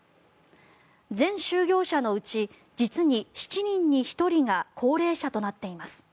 全就業者のうち実に７人に１人が高齢者となっています。